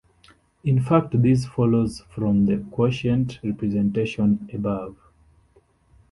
In fact this follows from the quotient representation above.